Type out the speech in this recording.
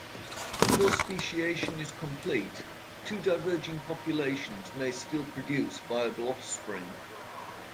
Before speciation is complete, two diverging populations may still produce viable offspring.